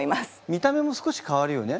見た目も少し変わるよね？